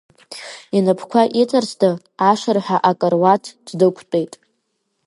Инапқәа иҵарсны ашырҳәа акаруаҭ днықәтәеит.